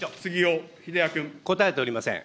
答えておりません。